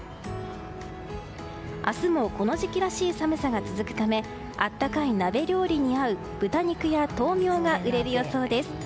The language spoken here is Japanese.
明日もこの時期らしい寒さが続くため温かい鍋料理に合う豚肉や豆苗が売れる予想です。